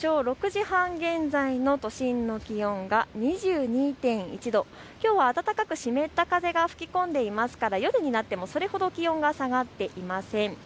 ６時半現在の都心の気温が２２．１度、きょうは暖かく湿った風が吹き込んでいますから夜になってもそれほど気温が下がっていません。